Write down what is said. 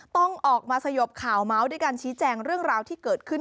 ต้องออกมาสยบข่าวเมาส์ด้วยการชี้แจงเรื่องราวที่เกิดขึ้น